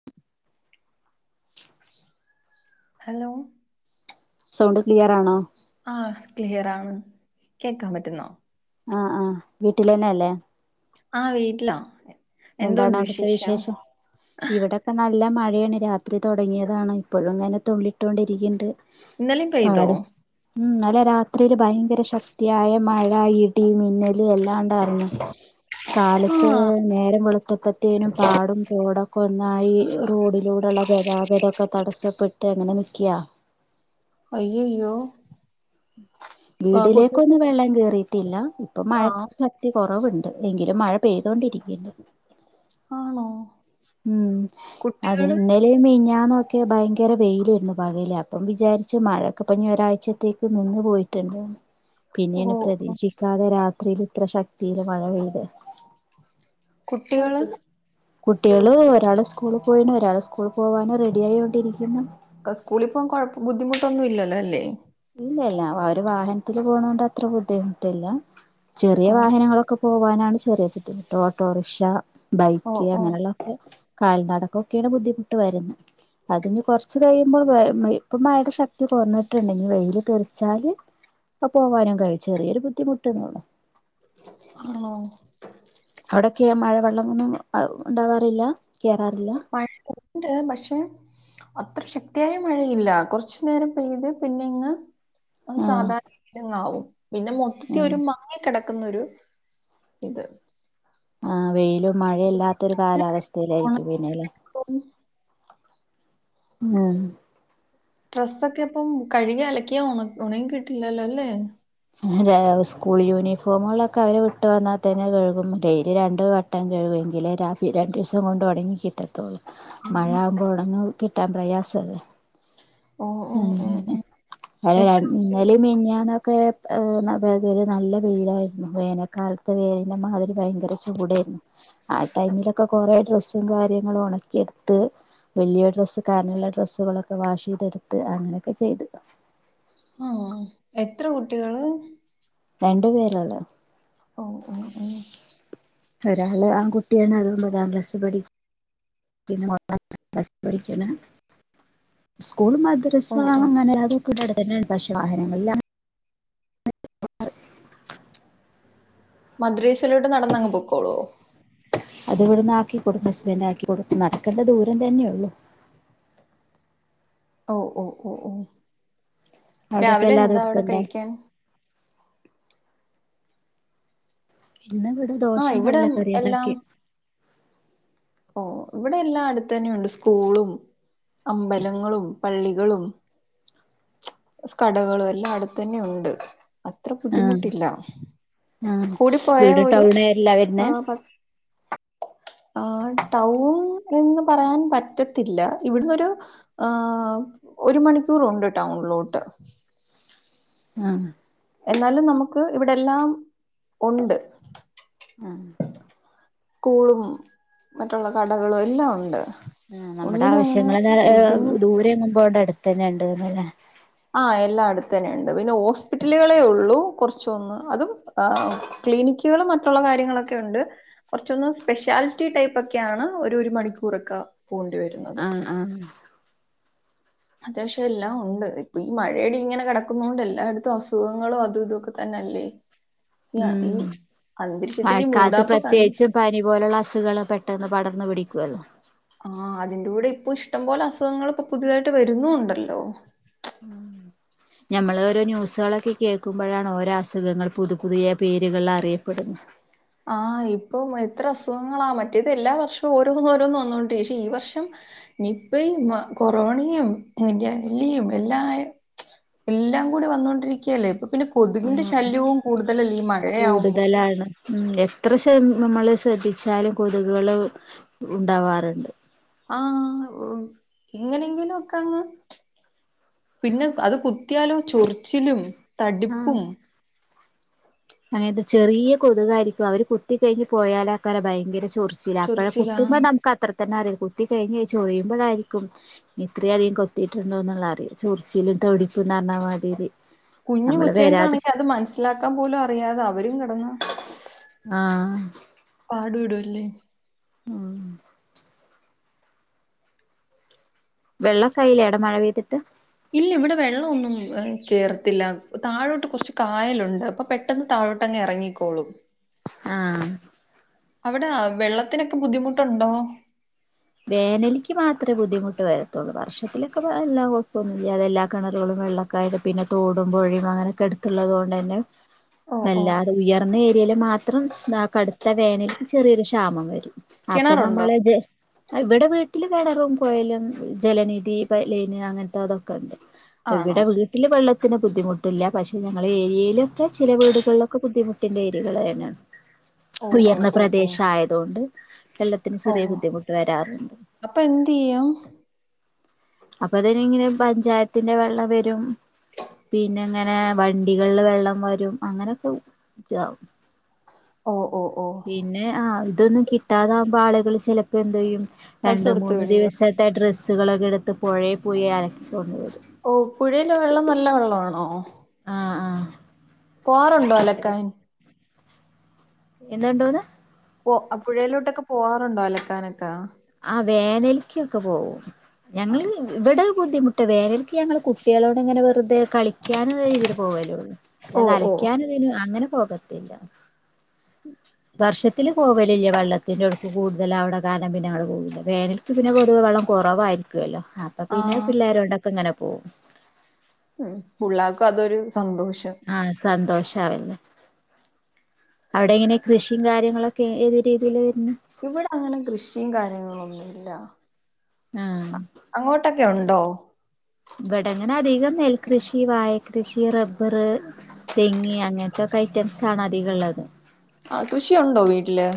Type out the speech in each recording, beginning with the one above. [inaudible] Hello sound ക്ലിയറാണോ ആഹ് ക്ലിയറാണ് കേക്കാൻ പറ്റുന്നോ ആഹ് ആഹ് വീട്ടില ന്നെ അല്ലേ ആഹ് വീട്ടിലാ എന്താണ് അവിടുത്തെ വിശേഷം ഇവിടെക്കെ നല്ല മഴയാണ് രാത്രി തുടങ്ങിയതാണ് ഇപ്പഴും ഇങ്ങനെ തുള്ളിട്ടൊണ്ടിരിക്കണ്ട് ഇന്നലേം പെയ്തോ പാടും ഉം ഇന്നലെ രാത്രിയില് ഭയങ്കര ശക്തിയായ മഴ ഇടി ഇടി, മിന്നല് എല്ലാം ഇണ്ടാർന്നു. കാലത്ത് ആഹ് നേരം രം വെളുത്തപ്പത്തേനും പാടും തോടൊക്കെ ഒന്നായി റോഡിലൂടെള്ള ഗതാഗതക്കെ തടസ്സപ്പെട്ട് അങ്ങനെ നിക്ക. അയ്യ യ്യോ വീടിലേക്കൊന്നും വെള്ളം കേറിട്ടില്ല. ഇപ്പോ മഴ ആഹ് കൊറവൊണ്ട് എങ്കിലും മഴ പെയ്തോണ്ടിരിക്ക ആണോ ഉം കുട്ടികള് അതിന്നേയ് ല മിന്ഞ്ഞാനൊക്കെ ഭയങ്കര വെയിലായിരുന്നുപകൽ, അപ്പം വിചാരിച്ച് മഴൊക്കെ ഇഞ് ഒരാഴ്ചത്തേക്ക് ഇത് നിന്ന് പോയിട്ടണ്ട് പിന്നെയാണ് ഓഹ് പ്രതീക്ഷിക്കാതെ രാത്രിൽ ഇത്ര ശക്തിയില് മഴ പെയ്തെ കുട്ടികള് കുട്ടികൾ ഒരാൾ സ്കൂളിൽ പോയിണ് ഒരാൾ സ്കൂളിൽ പോവാനു റെഡി യായ്കൊണ്ടിരിക്കുന്നു ക്കെ സ്കൂളി പോ കുഴപ്പ ബുദ്ധിമുട്ടൊന്നും ഇല്ലല്ല അല്ലേ ഇല്ല ല്ല അവര് വാഹനത്തിൽ പോണോണ്ട് അത്ര ബുദ്ധിമുട്ടില്ല ചെറിയ ഓഹ് വാഹനങ്ങളൊക്കെ പോവാനാണ് ചെറിയ ബുദ്ധിമുട്ട് ഓട്ടോറിക്ഷ ഓഹ് ബൈക്ക് ഓഹ് അങ്ങനെയുള്ള ക്കെ കാൽനടക്കക്കെയാണ് ബുദ്ധിമുട്ട് വരുന്നെ അതിന് കൊറച്ചു കഴിയുമ്പോൾ വഴ് മയ് ഇപ്പ മഴയുടെ ശക്തി കൊറ്ഞ്ഞ്ട്ടുണ്ട് ഇനി വെയ്ല് തെറിച്ചാല് പ്പ പോവാനും കഴിച്ചു ചെറിയൊരു ബുദ്ധിമുട്ട്ന്നള്ളു ആഹ് അവിടെക്കെ മഴ വെള്ളം ന്നും അഹ് ഉണ്ടാവാറില്ല കേറാറില്ല മഴണ്ട് പക്ഷെ അത്ര ശക്തിയായ മഴയില്ല കുറച്ചു നേരം പെയ്ത് പിന്നെ ഇങ്ങ് അങ്ങ് ആഹ് സാധാരണ രീതിയില് അങ്ങാവും പിന്നെ മൊത്തി ഒരു മാങ്ങികിടക്കുന്നൊരു ഇത് ആഹ് വെയിലും മഴയില്ലാത്ത ഒരു കാലാവസ്ഥയിലായിരിക്കും പിന്നെല്ലേ മ് ഡ്രസ്സൊക്കെ ഇപ്പം കഴുകി അലക്കിയ ഉണങ്ങി കിട്ടില്ലല്ലോല്ലേ അ് രാ സ്കൂൾ യൂണിഫോമുകളൊക്കെ അവര് വിട്ടു വന്നാൽ തന്നെ കഴുകും ഡെയിലി രണ്ട് വ ട്ടം കഴുകുങ്കിലെ രാവി രണ്ടു ദിവസം കൊണ്ട് ഉണങ്ങി കിട്ടത്തുള്ളൂ മഴ ആഹ് ആകുമ്പോ ഒണങ് കിട്ടാൻ പ്രയാസം അല്ലെ ഓ ഓ ഓ അങ്ങിനെ ഓ മഴ ര എത്ര കുട്ടികള് ഇന്നലിം മിഞ്ഞാന്നൊക്കെ അ് ന പെയ് നല്ല വെയിലായിരുന്നു വേനൽക്കാല ത്തെ വെയിലിനെ മാതിരി ഭയങ്കര ചൂടെന്നു ആ ടൈമിലൊക്കെ കൊറെ ഡ്രസ്സും കാര്യങ്ങളും ഒണക്കിയെടുത്ത് വലിയ ഡ്രസ്സ് കാനെള്ള ഡ്രസ്സുകളൊക്കെ വാഷ് ചെയ്തെടുത്ത് അങ്ങനെക്കെ ചെയ്ത് ആഹ് എത്ര കുട്ടികള് രണ്ടു പേരള്ളേ ഓ ഓ ഓ ഒരാള് ആൺകുട്ടിയാണ് അത് ഒന്നതാം ക്ലാസ്സി പഠി പിന്നെ മോള് അഞ്ചാം ക്ലസ്സി പഠിക്കയാണ് സ്കൂൾ മദ്ര ഓ ഓ ദ്രസ്സാ ഓ അങ്ങനെ അതുക്കെ അടുത്തന്നെയാണ് പക്ഷെ വാഹനങ്ങള്ല്ല മദ്രസിലോട്ട് നടന്നങ്ങ് പോക്കോളോ അത് ഇവിടുന്ന് ആക്കികൊടുക്കും ഹസ്ബൻഡ് ആക്കി കൊടുക്കും നടക്കേണ്ട ദൂരം തന്നെയെ ഉള്ളു ഓ ഓ ഓ ഓ അവിടെയൊക്കെ രാവിലെ എല്ലാതും എന്താ അവിടെ എടുത്തുണ്ടാവും കഴിക്കാൻ ഇന്ന് ഇവിടെ ആഹ് ദോശയും ഇവിടെ കടല കറിയും എല്ലാം ഇണ്ടാക്കി ഓ ഇവിടെ എല്ലാ അടുത്ത തന്നെയുണ്ട് സ്കൂളും അമ്പലങ്ങളും പള്ളികളും കടകളും എല്ലാം അടുത്ത് തന്നെ ഉണ്ട് അത്ര ആ ബുദ്ധിമുട്ടില്ല ആ കൂടിപ്പോയ വീട് ഒരു ടൗൺ ഏരിയയില വരുന്നേ ആഹ് പത് ആഹ് ടൗൺ എന്ന് പറയാൻ പറ്റത്തില്ല ഇവിടുന്നൊരു ഹാ ഒരു മണിക്കൂറുണ്ട് ടൗണിലോട്ട് ആഹ് എന്നാലും നമുക്ക് ഇവിടെ എല്ലാം ഉണ്ട് ആഹ് കൂളും മറ്റുള്ള കടകളും എല്ലാം ഉണ്ട് ആഹ് നമ്മുടെ ഒന്നിനും അങ്ങനെ ആവശ്യങ്ങള് ബുദ്ധിമുട്ട് ദൂരെ എങ്ങുമ്പോടെ അടുത്തു തന്നെ ഉണ്ട്ന്ന് ല്ലേ ആഹ് എല്ലാ അടുത്ത് തന്നെ ഉണ്ട് പിന്നെ ഹോസ്പിറ്റലുകളേ ഉള്ളു കുറച്ചൊന്ന് അതും ആഹ് ക്ലിനിക്കുകും മറ്റുള്ള കാര്യങ്ങളൊക്കെ ഉണ്ട് കുറച്ചൊന്ന് സ്പെഷ്യാലിറ്റി ടൈപ്പ് ക്കെയാണ് ഒരു രു മണിക്കൂറൊക്കെ പോകേണ്ടി വരും ആഹ് ആഹ് അത്യാവശ്യം എല്ലാം ഉണ്ട് ഇപ്പൊ ഈ മഴടി ഇങ്ങനെ കെടക്കുന്ന കൊണ്ട് എല്ലായിടത്തും അസുഖങ്ങളും അതും ഇതൊക്കെ തന്നെ അല്ലേ ന്താ ഉം ഈ അന്തരീക്ഷത്തിന്റെ മഴക്കാലത്ത് മൂടാപ്പ കൺ പ്രത്യേകിച്ചും പനി പോലുള്ള അസുഖൾ പെട്ടെന്ന് പടർന്ന് പിടിക്കുമല്ലോ ആഹ് അതിന്റൂടെ ഇപ്പൊ ഇഷ്ടംപോലെ അസുഖങ്ങൾ ഇപ്പോ പുതിയതായിട്ട് വരുന്നുണ്ടല്ലോ നമ്മള് ഓരോ ന്യൂസുകളൊക്കെ കേൾക്കുമ്പോഴാണ് ഓരോ അസുഖങ്ങൾ പുതു പുതിയ പേരുകളിൽ അറിയപ്പെടുന്നെ ആഹ് ഇപ്പൊ എത്ര അസുഖങ്ങളാ മറ്റേത് എല്ലാ വർഷവു ഓരോന്നോരോന്നോന്നണ്ട് പക്ഷേ ഈ വർഷം നിപ്പയും കൊറോണയും ഗല്ലിയും എല്ലാ ആയ എല്ലാം കൂടി വന്നൊണ്ടിരിക്കയല്ലേ ഇപ്പൊ പിന്നെ കൊതുകിന്റെ ശല്യവും കൂടുതലല്ലിമയ കൂടുതലാണ് ഉഉം എത്ര ശ നമ്മള് ശ്രദ്ധിച്ചാലും കൊതുകുകൾ ഉണ്ടാവാറുണ്ട് ആഹ് ഉ ഇങ്ങനെങ്കിലുക്കങ്ങ് പിന്നെ പ് അത് കുത്തിയാലു ചൊറിച്ചിലും തടിപ്പും അങ്ങന തെ ചെറിയ കൊതുകായിരിക്കു അവര് കുത്തിക്കയിഞ്ഞ് പോയാലാക്കാര ഭയങ്കര ചോറി സില അപ്പോഴ ചൊറിച്ചിലാ കുത്തുമ്പോ നമക്ക് അത്ര തന്നെ അറിയ കുത്തി കയിഞ്ഞ് ചൊറിയുമ്പഴായിരിക്കും ഇത്ര അധികം കൊത്തിയിട്ടുണ്ടോ എന്നുള്ള അറിയ ചെറിച്ചിലും തുടിപ്പുന്ന് റഞ്ഞ മതിരി കുഞ്ഞ് കൊച്ചെക്കാണെങ്കി അത് മനസ്സിലാക്കാൻ പോലും അറിയാതെ അവരും കിടന്ന് ആഹ് പാടുടുല്ലേ ഉം വെള്ളെക്കായിലെ അടെ മഴ പെയ്തിട്ട് ഇല്ല ഇവിടെ വെള്ള ഒന്നും കേറത്തില്ല താഴോട്ട് കുറച്ച് കായലുണ്ട് അപ്പൊ പെ ട്ടെന്ന് താഴോട്ടങ് ഇറങ്ങിക്കോളും ആഹ് അവിടെ വെള്ളത്തിനൊക്കെ ബുദ്ധിമുട്ടുണ്ടോ വേനല്ക്ക് മാത്രമേ ബുദ്ധിമുട്ട് വരത്തുള്ളൂ വർഷത്തിലൊക്കെ എല്ലാം കുഴപ്പൊന്നില്ലാതെ എല്ലാ കിണറുകളും വെള്ളം ക്കായത് പിന്നെ തോടും പുഴയും അങ്ങനെയൊക്കെ എടുത്തുള്ളത് കൊണ്ടന്നെ ഓ ഓ അല്ലാതെ ഉയർന്ന ഏരിയൽ മാത്രം കടുത്ത വേനൽക്ക് ചെറിയൊരു ക്ഷാമം വരും അപ്പൊ കിണറുണ്ടോ നമ്മള ജെ ഇവിടെ വീട്ടില് കിണറും കോയലും ജലനിധി പലൈന് അങ്ങനത്തെ അതൊക്കെ ഉണ്ട് ആണോ എവിടെ വീ ട്ടില് വെള്ളത്തിന് ബുദ്ധിമുട്ടില്ല പക്ഷേ ഞങ്ങള ഏരിയിലൊക്കെ ചില വീടുകളിലൊക്കെ ബുദ്ധിമുട്ടിൻ്റെ ഏരിയകൾ തന്നാണ് [inaudible] ഓ ഉയർന്ന ഓ ഓ പ്രദേശ ആയത് കൊണ്ട് വെള്ളത്തിന് ഓ ചെറിയ ബുദ്ധിമുട്ട് വരാറുണ്ട് അപ്പൊ എന്ത്യ്യും അപ്പൊ അതനി ഇങ്ങനെ പഞ്ചായത്തിന്റെറെ വെള്ളം വരും പിന്നെ ഇങ്ങനെ വണ്ടികളില് വെള്ളം വരും അങ്ങനൊക്കെ താവും ഒ ഒ ഓഹ് പിന്നെ ആഹ് ഇതൊന്നു കിട്ടാതാവുമ്പോ ആളുകൾ ചിലപ്പോ എന്തെയ്യു പൈസ രണ്ട് കൊടുത്ത് മൂന്ന് മേടിക്കും ദിവസ ത്തെ ഡ്രസ്സുകളൊക്കെ എടുത്ത് പുഴയെ പോയി അലക്കി കൊണ്ടുവരും ഓഹ് പുഴയിലെ വെള്ളം നല്ല വെള്ളാണോ അ ആഹ് പോറുണ്ടോ അലക്കാൻ എന്ത്ണ്ടോന്ന് പോ പുഴയിലോട്ടൊക്കെ പോവാറുണ്ടോ അലക്കാനൊക്കെ ആ വേനല്ക്കൊക്കെ പോവും ഞങ്ങള് ഇവിടെ ബുദ്ധിമു ട്ട വേനലക്ക് ഞങ്ങള് കുട്ടികളോട് ഇങ്ങനെ വെറുതെ കളിക്കാന രീതിയില് പോകലുള്ളൂ ഓ അല്ലാതെ ഓ അലയ്ക്കാനു അങ്ങനെ പോകത്തില്ല വർഷത്തില് പോവലില്ലേ വെള്ളത്തിന്റെ ഒടുക്ക് കൂടുതല അവിടെ കാനം പിന്നെ അങ്ങൾ പോകില്ല വേനൽക്ക് പിന്നെ പൊതുവ വെള്ളം കുറവായിരിക്കുവല്ലോ അപ്പൊ പിന്നെ ആഹ് പിള്ളേരോടെ പ്പ ഇങ്ങനെ പോവും ഉം പുള്ളേർക്കു അതൊരു സന്തോഷം ആഹ് സന്തോഷവല്ലേ അവിടെ എങ്ങനെ കൃഷിയും കാര്യങ്ങളൊക്കെ ഏത് രീതില വരുന്നേ ഇവിടെ അങ്ങനെ കൃഷിം കാര്യങ്ങളൊന്നുല്ല ആ അങ്ങോട്ടൊക്കെ ഉണ്ടോ ഇവിടെങ്ങനെ അധികം നെൽകൃഷി വായക്കൃഷി റബ്ബർ തെങ്ങി അങ്ങന് ത്തൊക്കെ ഐറ്റം സാണ് അധികംള്ളത് ആ കൃഷിയുണ്ടോ വീട്ടില്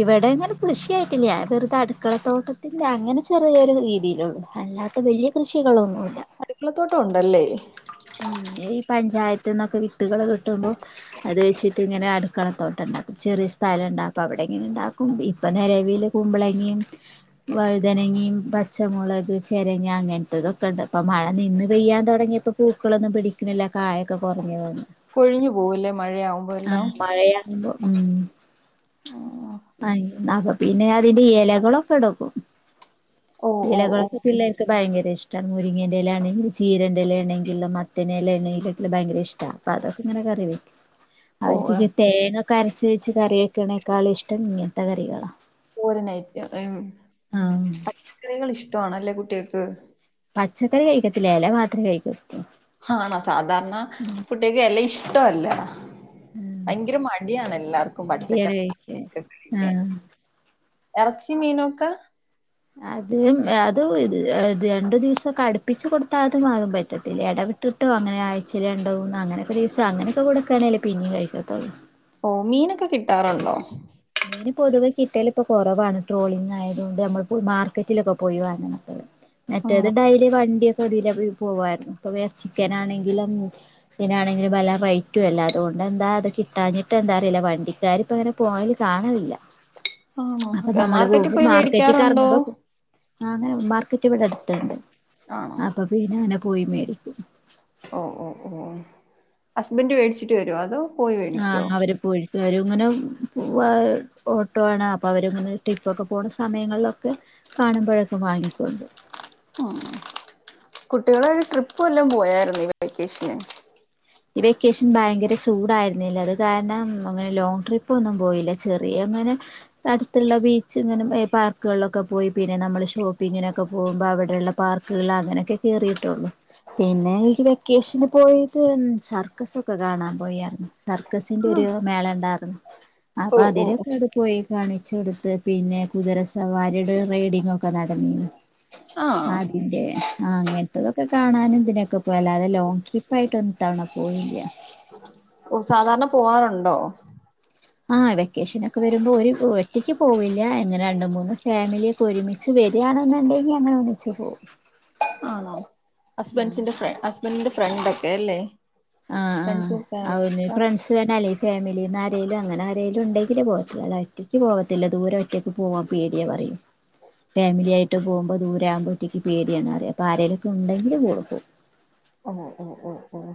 ഇവിടെ അങ്ങനെ കൃഷിയായിട്ടില്ല വെറുതെ അടുക്കളത്തോട്ടത്തിന്റെ അങ്ങനെ ചെറിയരു രീതിയിലുള്ളു അല്ലാ തെ വല്ല്യയ കൃഷികളൊന്നുല്ല അടുക്കളത്തോട്ടം ഉണ്ടല്ലേ ഉം ഈ പഞ്ചായത്ത്ന്നൊക്കെ വിത്ത്കള് കിട്ടുമ്പോ അത് വെച്ചിട്ട് ഇങ്ങനെ അടുക്കളത്തോട്ടണ്ടാക്കും ചെറിയ സ്ഥലം ഉണ്ടാക്കും അവിടെ ഇങ്ങനെ ഉണ്ടാക്കും ഇപ്പ നിലവില് കുമ്പളങ്ങിം വഴുതന ങ്ങിം പച്ചമുളക് ചെരങ്ങ അങ്ങന് ത്തതൊക്കെ ണ്ട് പ്പം മഴ നിന്ന് പെയ്യാൻ തുടങ്ങിയപ്പം പൂക്കളൊന്നും പിടിക്ക്ണില്ല കായൊക്കെ കൊറ്ഞ്ഞ് പോന്നു കൊഴിഞ്ഞു പോവുല്ലേ മഴയാവുമ്പം എല്ലാം ഉണ്ട് ഉം ഓ [unintelligible] അപ്പൊ പിന്നെ അതിന്റെ ഇലകളൊക്കെ എടുക്കും ഓ ഓ ഓ ഇലകൾക്ക് പിള്ളേർക്ക് ഭയര ഇഷ്ടാണ് മുരിങ്ങന്റെ എലാണങ്കിൽ ചീരന്റെ എലാണെങ്കിൽ മത്തനേല എണയിലക്ക ഭയര ഇഷ്ട അപ്പൊ അതൊക്കെ ഇങ്ങനെ കറി വെക്ക് ഓ അവർക്ക് ത് തേങ്ങക്കെ അരച്ച് വെച്ച് കറിയക്ക്ണേക്കാളും ഇഷ്ടം ഇങ്ങനത്തെ കറികളാ തോരനയ്റ്റ് ആഹ് പച്ചക്കറികൾ ഇഷ്ടമാണല്ലേ കുട്ടിയേക്ക് പച്ചക്കറി കഴിക്കത്തില്ല എല മാത്രം കഴിക്കത്തൂ ആണ സാധാരണ കുട്ടിയേക്ക് എല ഇഷ്ടല്ല ഭയങ്കര മടിയാണ് എല്ലാർക്കും മടിയാണ് പച്ചക്കറിക്കെ കഴിക്കാൻ കഴിക്കാൻ ആഹ് എറച്ചി മീനൊക്കെ അത് അത് രണ്ടു ദിവസം ക്കെ അടുപ്പിച്ച് കൊടുത്താ അതമാകും പറ്റത്തില്ല എട ഇട്ടിട്ടോ അങ്ങനെ ആഴ്ച്ചേല് രണ്ടോ മൂന്നോ അങ്ങനൊക്കെ ദിസം അങ്ങനൊക്കെ കൊടുക്കണേല് പിന്നിം കഴിക്ക ത്തൊള്ളൂ ഓ മീനൊക്കെ കിട്ടാറുണ്ടോ മീന് പൊതുവെ കിട്ടിയാൽ ഇപ്പൊ കുറവാണ് ട്രോളിങ്ങ് ആയതുകൊണ്ട് നമ്മൾ പ്പോ മാർക്കറ്റിലൊക്കെ പോയി വാങ്ങ്ണത മറ്റേത് ആണോ ഡയലി വണ്ടിയൊക്കെ ഇതിലെ പോവാരുന്നു ഇപ്പ വേ ചിക്കനാണങ്കിലും ഇതിനാണെങ്കില് പല റൈറ്റും അല്ല അതുകൊണ്ട് എന്താ അത് കിട്ടാഞ്ഞ്ട്ട്ന്താ അറീല്ല വണ്ടിക്കാരിപ്പ അങ്ങനെ പോവല് കാണല്ല ആണോ അപ്പൊ നമ്മള് മാർക്കറ്റിൽ പോവുമ്പ പോയി മാർക്കറ്റി ക്ക് എറ്ങ്ങു വേടിക്കാറുണ്ടോ മ്പം ആന്നേ മാർക്കറ്റ് ഇവിടെ അടുത്ത്ണ്ട് ആണോ അപ്പൊ പിന്നെ അങ്ങനെ പോയി മേടിക്കും ഓ ഓ ഓ ഹസ്ബൻഡ് മേടിച്ചിട്ട് വരോ അതോ പോയി മേടിക്കോ ആഹ് അവര് പോയിട്ട് വരും ഇങ്ങനെ പോവാ ഓട്ടോ ആണ് അപ്പ അവരങ്ങനെ ട്രിപ്പൊക്കെ പോണ സമയങ്ങളിലൊക്കെ കാണുമ്പോഴൊക്കെ വാങ്ങി കൊണ്ട് ഉം കുട്ടികളേയി ട്രിപ്പ് വെല്ലോം പോയായിരുന്ന ഈ വേക്കേഷന് ഈ വെക്കേഷൻ ഭയങ്കര ചൂടായിരുന്നില്ല അത് കാരണം അങ്ങനെ ലോങ്ങ് ട്രിപ്പ ഒന്നും പോയില്ല ചെറിയ അങ്ങനെ അടുത്തുള്ള ബീച്ച്ങ്ങനും പാർക്കുകളിലൊക്കെ പോയി പിന്നെ നമ്മള് ഷോപ്പിങ്ങിനൊക്കെ പോകുമ്പോ അവിടെള്ള പാർക്കുകളിൽ അങ്ങനെയൊക്കെ കേറിയിട്ടുള്ളു പിന്നെണക്കി വെക്കേഷന് പോയത് സർക്കസൊക്കെ കാണാൻ പോയാരുന്നു സർക്കസിന്റെ ആ ഒരു മേള ഉണ്ടാരുന്നു അപ്പ ഓ ഓ അതിലൊക്കെ പോയി കാണിച്ചെടുത്ത് പിന്നെ കുതിരസവാരിയുടെ റൈഡിങ്ങ ഒക്കെ നടന്നി നി ആഹ് ആ അതിന്റെ ആ അങ്ങനത്തെതൊക്കെ കാണാനും ഇതിനൊക്കെ പോ അല്ലാതെ ലോങ് ട്രിപ്പ് ആയിട്ട് ഒന്ന് ഇത്തവണ പോയീല്ല ഉ സാധാരണ പോവാറുണ്ടോ ആഹ് വെക്കേഷൻ ഒക്കെ വരുമ്പോ ഒരു ഒറ്റയ്ക്ക് പോവില്ല ഇങ്ങനെ രണ്ട് മൂന്ന് ഫാമിലി ഒരുമിച്ച് വരാണെന്നുണ്ടെങ്കി അങ്ങനെ ഒന്നിച്ച് പോവും ആണോ ഹസ്ബൻസിന്റെഫ്ര ഹസ്ബൻ്റ്ന്റെ ഫ്രണ്ട് ഒക്കെ അല്ലേ ആഹ് ആഹ് ഫ്രണ്ട്സും ഫാമിലി അവനേ ഒക്കെ ഫ്രണ്ട്സ്നേ അല്ലേ ഫാമിലിന്ന് ആരേലും അങ്ങനെ ആരേലും ഉണ്ടെങ്കിലെ പോകത്തൂ അല്ലാതെ ഒറ്റയ്ക്ക് പോകത്തില്ല ദൂരം റ്റക്ക് പോവാ പേടിയാ പറയും ഫാമിലിയായിട്ട് പോകുമ്പോൾ ദൂരെയാവുമ്പോ ഒറ്റക്ക് പേടിയാണ് അറയും അപ്പോ ആരേലൊക്കെ ഉണ്ടെങ്കിൽ പോവൊള് പോവും ഉം ഉം ഉം ഉം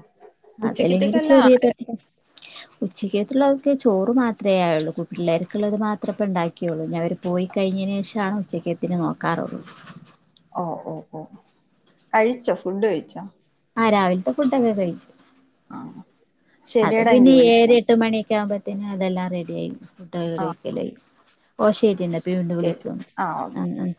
ഉച്ചക്കത്തേക്കല്ല ആ ഉച്ചക്ക്ത്തുള്ളതൊക്കെ ചോറ് മാത്രേ ആയുള്ളൂ കു പിള്ളേർക്കുള്ളത് മാത്രപ്പണ്ടാക്കിയുള്ളൂ ഞാ അവരു പോയി കഴിഞ്ഞീന് ശേഷാണ് ഉച്ചക്കത്തിന് നോക്കാറുള്ള ഓഹ് ഓഹ് ഓഹ് കഴിച്ചോ ഫുഡ് കഴിച്ചാ ആഹ് രാവിൽത്തെ ഫുഡോക്കെ കഴിച്ചു ആഹ് അത് ശരിയടാ എങ്കി പിന്നെ ഏഴര വിളിക്കാം എട്ട് മണിയൊക്കെ ആവുമ്പ ത്തിന് അതെല്ലാം റെഡി ആയി ഫുഡോക്ക ആ കഴിക്കലയ്യും ഓഹ് ശരിന്നാ പ്പീണ്ട് ശരി വിളിക്കും ആ ഓക്കെ ന്ന് മ് മ്